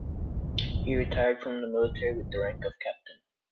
He retired from the military with the rank of captain.